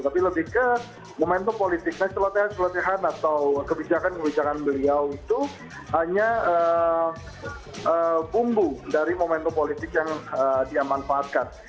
tapi lebih ke momentum politik nah celotehan celotehan atau kebijakan kebijakan beliau itu hanya bumbu dari momentum politik yang dia manfaatkan